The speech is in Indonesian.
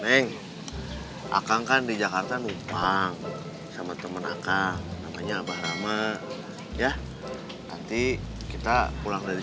neng akang kan di jakarta numpang sama temen akang namanya abah rama ya nanti kita pulang dari